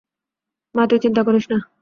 মা, তুই চিন্তা করিস না।